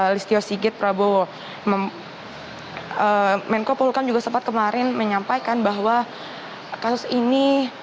listio sigit prabowo menko polkam juga sempat kemarin menyampaikan bahwa kasus ini